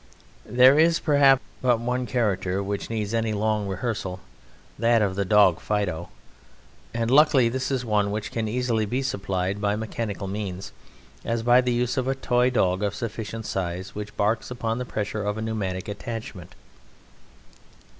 There is perhaps but one character which needs any long rehearsal, that of the dog Fido, and luckily this is one which can easily be supplied by mechanical means, as by the use of a toy dog of sufficient size which barks upon the pressure of a pneumatic attachment.